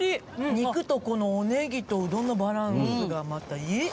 肉とこのおねぎとうどんのバランスがまたいい。